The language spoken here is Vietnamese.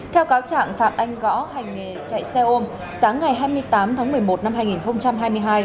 theo cáo trạng phạm anh gõ hành nghề chạy xe ôm sáng ngày hai mươi tám tháng một mươi một năm hai nghìn hai mươi hai